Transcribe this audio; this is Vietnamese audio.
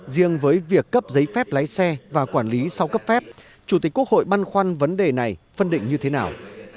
riêng với việc cấp giấy phép lái xe và quản lý sau cấp phép chủ tịch quốc hội băn khoăn vấn đề này phân định như thế nào